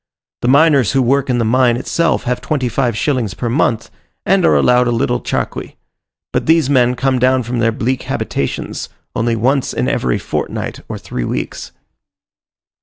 The miners who work in the mine itself have twenty five shillings per month, and are allowed a little charqui. But these men come down from their bleak habitations only once in every fortnight or three weeks.